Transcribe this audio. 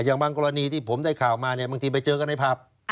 อย่างบางกรณีที่ผมได้ข่าวมาเนี่ยบางทีไปเจอกันในผับ